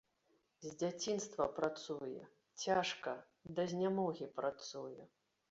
З дзяцінства працуе, цяжка, да знямогі працуе.